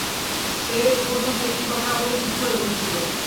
সে এ পর্যন্ত একটি কথা না বলে চুপ করে বসে ছিল।